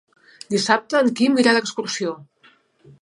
Dissabte en Quim irà d'excursió.